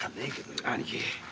兄貴。